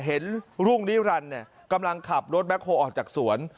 เห็นรุ่งนิรันดิ์เนี่ยกำลังขับรถแม็กโฮออกจากสวน